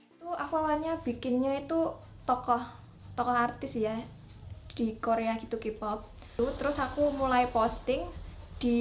itu aku awalnya bikinnya itu tokoh tokoh artis ya di korea gitu k pop terus aku mulai posting di